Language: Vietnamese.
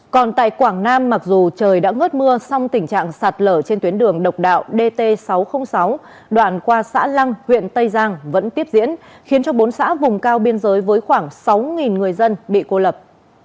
còn tại quảng nam mặc dù trời đã ngớt mưa song tình trạng sạt lở trên tuyến đường độc đạo dt sáu trăm linh sáu đoạn qua xã lăng huyện tây giang vẫn tiếp diễn khiến cho bốn xã vùng cao biên giới với khoảng sáu người dân bị cô lập